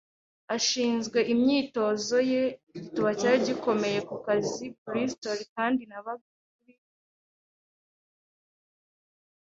ashinzwe imyitozo ye; igituba cyari gikomeye ku kazi i Bristol; kandi nabaga kuri